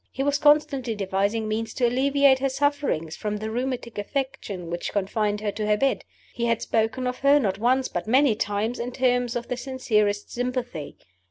He was constantly devising means to alleviate her sufferings from the rheumatic affection which confined her to her bed; he had spoken of her, not once but many times, in terms of the sincerest sympathy.